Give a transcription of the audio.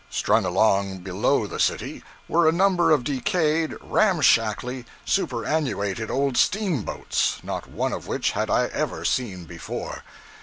Strung along below the city, were a number of decayed, ram shackly, superannuated old steamboats, not one of which had I ever seen before.